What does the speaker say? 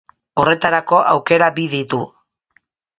Horretarako aukera bi ditu.